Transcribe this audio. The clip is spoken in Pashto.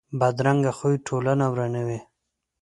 بدرنګه خوی ټولنه ورانوي